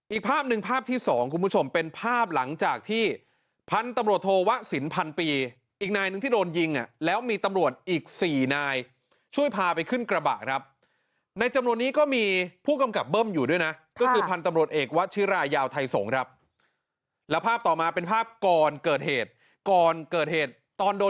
อีกภาพหนึ่งภาพที่สองคุณผู้ชมเป็นภาพหลังจากที่พันธุ์ตำรวจโทวะสินพันปีอีกนายหนึ่งที่โดนยิงอ่ะแล้วมีตำรวจอีก๔นายช่วยพาไปขึ้นกระบะครับในจำนวนนี้ก็มีผู้กำกับเบิ้มอยู่ด้วยนะก็คือพันธุ์ตำรวจเอกวชิรายาวไทยสงศ์ครับแล้วภาพต่อมาเป็นภาพก่อนเกิดเหตุก่อนเกิดเหตุตอนโดน